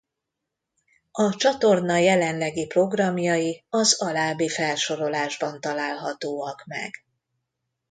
A csatorna jelenlegi programjai az alábbi felsorolásban találhatóak meg.